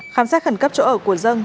khám xét khẩn cấp chỗ ở của dân